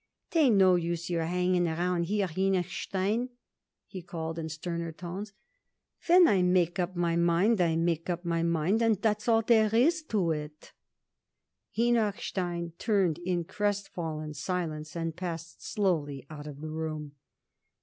'Tain't no use your hanging around here, Henochstein," he called in sterner tones. "When I make up my mind I make up my mind, and that's all there is to it." Henochstein turned in crestfallen silence and passed slowly out of the room.